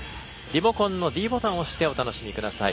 リモコンのｄボタンを押してお楽しみください。